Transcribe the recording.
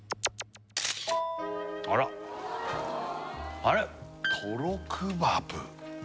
あらっあれっトロクバブ？